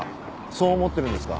そう思ってるんですか？